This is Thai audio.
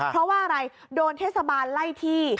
เพราะว่าอะไรโดนเทศบาลไล่ที่